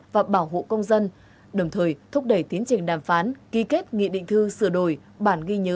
đồng thời thúc đẩy tiến trình đàm phán ký kết nghị định thư sửa đổi bản ghi nhớ